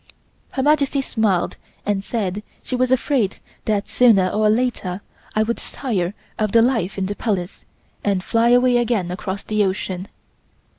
Her Majesty smiled and said she was afraid that sooner or later I would tire of the life in the Palace and fly away again across the ocean.